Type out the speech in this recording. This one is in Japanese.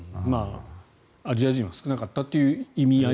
アジア人は少なかったという意味合い。